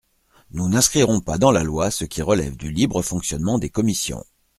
Nous n’inscrirons pas dans la loi ce qui relève du libre fonctionnement des commissions.